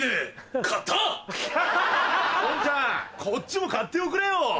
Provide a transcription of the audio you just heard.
こっちも買っておくれよ！